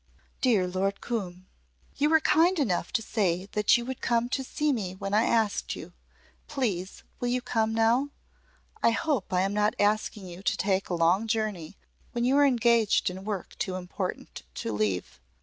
"Dear Lord Coombe, "You were kind enough to say that you would come to see me when I asked you. Please will you come now? I hope I am not asking you to take a long journey when you are engaged in work too important to leave.